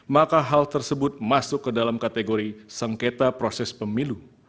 maka hal tersebut masuk ke dalam kategori sengketa proses pemilu